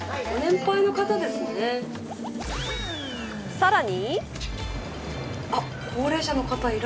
さらに。